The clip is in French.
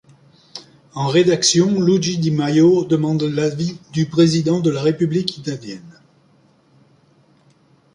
En réaction, Luigi Di Maio demande l' du président de la République italienne.